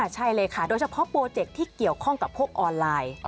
ใช่เลยค่ะโดยเฉพาะโปรเจคที่เกี่ยวข้องกับพวกออนไลน์